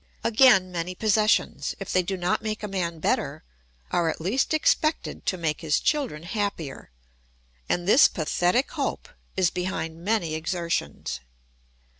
Again, many possessions, if they do not make a man better, are at least expected to make his children happier; and this pathetic hope is behind many exertions.